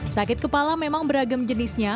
sakit kepala memang beragam jenisnya